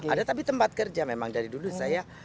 ada tapi tempat kerja memang dari dulu saya